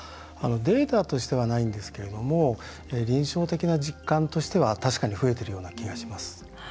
データとしてはないんですけれども臨床的な実感としては確かに増えてるような気がします。